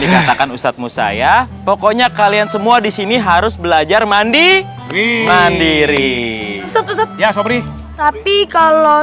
dikatakan ustadz musa ya pokoknya kalian semua di sini harus belajar mandi mandiri ya tapi kalau